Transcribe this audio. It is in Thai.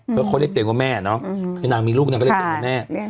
เพราะเขาได้เต็มกว่าแม่เนอะคือนางมีลูกนางก็ได้เต็มกว่าแม่